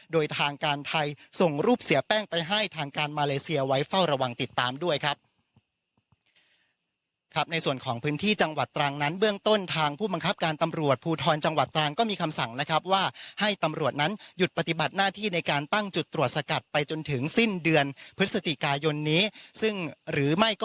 โดยทางการไทยส่งรูปเสียแป้งไปให้ทางการมาเลเซียไว้เฝ้าระวังติดตามด้วยครับครับในส่วนของพื้นที่จังหวัดตรางนั้นเบื้องต้นทางผู้บังคับการตำรวจภูทรจังหวัดตรางก็มีคำสั่งนะครับว่าให้ตำรวจนั้นหยุดปฏิบัติหน้าที่ในการตั้งจุดตรวจสกัดไปจนถึงสิ้นเดือนพฤศจิกายนนี้ซึ่งหร